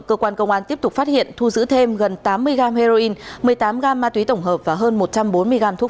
cơ quan công an tiếp tục phát hiện thu giữ thêm gần tám mươi gam heroin một mươi tám gam ma túy tổng hợp và hơn một trăm bốn mươi g thuốc